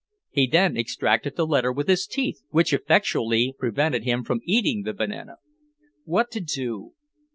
He then extracted the letter with his teeth which effectually prevented him from eating the banana. What to do?